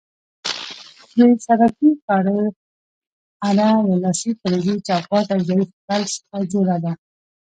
د شبکې کارۍ اره له لاسۍ، فلزي چوکاټ او ظریف پل څخه جوړه ده.